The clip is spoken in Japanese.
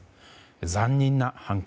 残忍な犯行。